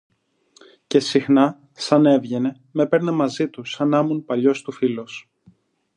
Και συχνά, σαν έβγαινε, μ' έπαιρνε μαζί του σα νάμουν παλιός του φίλος